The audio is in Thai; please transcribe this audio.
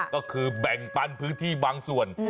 ก็คือแบ่งปันพื้นที่บางส่วน